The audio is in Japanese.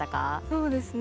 そうですね